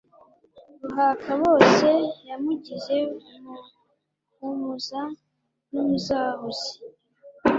Ruhakabose yamugize umuhumuza n' umuzahuzi.